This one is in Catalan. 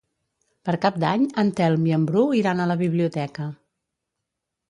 Per Cap d'Any en Telm i en Bru iran a la biblioteca.